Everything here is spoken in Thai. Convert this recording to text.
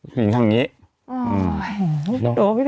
ผู้หญิงข้างนี้